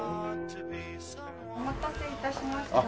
お待たせ致しました。